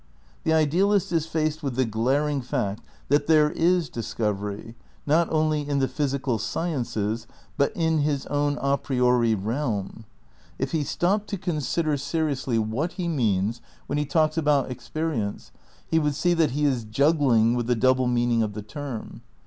The idealist is faced with the glaring fact that there is discovery, not only in the physical sciences, but in his own a priori realm. If he stopped to consider se 12 THE NEW IDEALISM i riously what he means when he talks about "experi ence" he would see that he is juggling with the double meaning of the term.